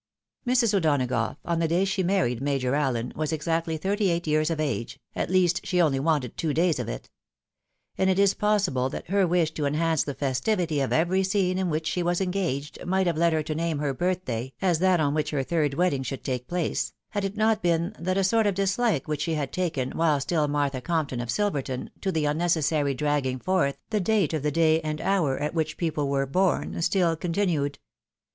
Mrs. O'Donagough, on the day she married Major Allen, was exactly thirty eight years of age, at least she only wanted two days of it ; and it is possible that her wish to enhance the festivity of every scene in which she was engaged, might have led her to name her birthday as that on which her third wedding should take place, had it not been that a sort of dislike which she had taken, while still Martha Compton, of Silverton, to the unnecessary dragging forth the date of the day and hour at which people were bom, stO continued.